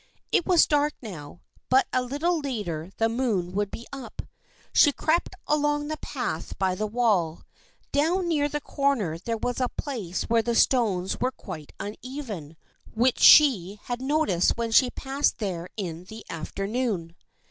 It was dark now, but a little later the moon would be up. She crept along the path by the wall. Down near the corner there was a place where the stones were quite uneven, which she had noticed when she passed there in the afternoon.